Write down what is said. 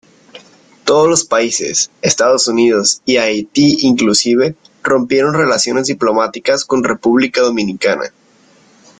Todos los países, Estados Unidos y Haití inclusive rompieron relaciones diplomáticas con República Dominicana.